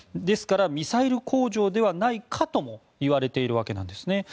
ですからミサイル工場ではないかともいわれているわけなんですね。